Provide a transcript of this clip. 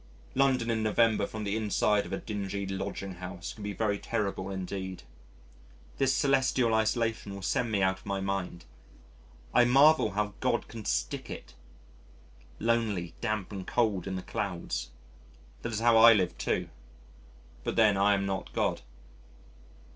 London in November from the inside of a dingy lodging house can be very terrible indeed. This celestial isolation will send me out of my mind. I marvel how God can stick it lonely, damp, and cold in the clouds. That is how I live too but then I am not God.